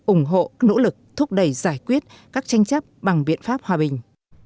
ủng hộ nỗ lực thúc đẩy giải quyết các tranh chấp bằng biện pháp hòa bình